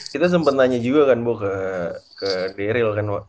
kita sempet nanya juga kan bu ke daryl kan